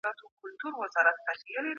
ملکیت د انسان لپاره د ژوند یو ضرورت دی.